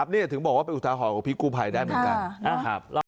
นี่ถึงบอกว่าเป็นอุทาหรณ์กับพี่กู้ภัยได้เหมือนกัน